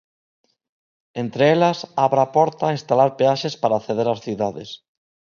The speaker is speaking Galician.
Entre elas, abre a porta a instalar peaxes para acceder ás cidades.